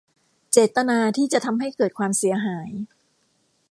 เจตนาที่จะทำให้เกิดความเสียหาย